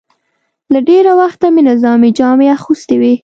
له ډېره وخته مې نظامي جامې اغوستې وې.